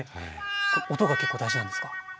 音が結構大事なんですか？